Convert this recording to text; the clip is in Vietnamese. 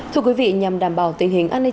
thưa quý vị nhằm đảm bảo tình hình nhk